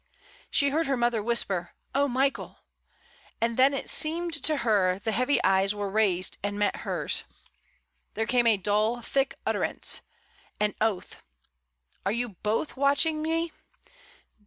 She heard her mother whisper, "Oh, Michael!" and then it seemed to her the heavy eyes were 112 MRS. DYMOND. raised and met hers. There came a dull thick utterance — an oath. "Are you both watching me?